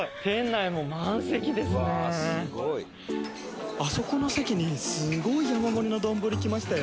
すごい！あそこの席にすごい山盛りの丼きましたよ。